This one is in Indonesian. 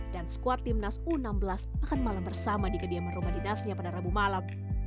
dan squad timnas u enam belas akan malam bersama di kediaman rumah dinasnya pada rabu malam